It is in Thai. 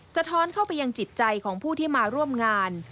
สะท้อนเข้าไปยังจิตใจของผู้ที่มาร่วมงาน